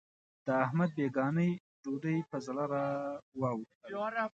د احمد بېګانۍ ډوډۍ په زړه را وا وښتله.